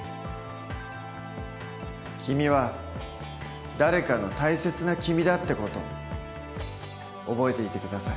君は誰かの大切な君だって事覚えていて下さい。